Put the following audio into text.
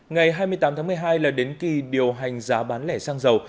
ngày hai mươi tám tháng một mươi hai là đến kỳ điều hành giá bán lẻ xăng dầu